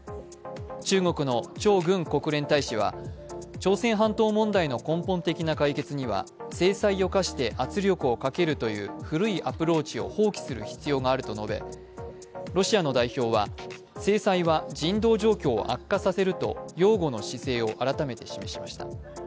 中国の張軍国連大使は朝鮮半島問題の根本的な解決には制裁を課して圧力をかけるという古いアプローチを放棄する必要があると述べ、ロシアの代表は制裁は人道状況を悪化させると擁護の姿勢を改めて示しました。